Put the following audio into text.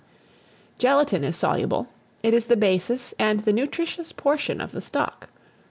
GELATINE is soluble: it is the basis and the nutritious portion of the stock.